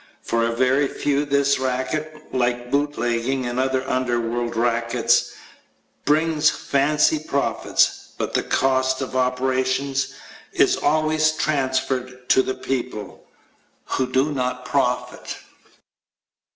For a very few this racket, like bootlegging and other underworld rackets, brings fancy profits, but the cost of operations is always transferred to the people who do not profit.